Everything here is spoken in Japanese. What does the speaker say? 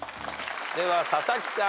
では佐々木さん。